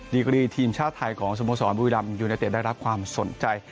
ดีกรีทีมชาติไทยของสมสรรค์บุยรัมย์ยูนาเตะได้รับความสนใจ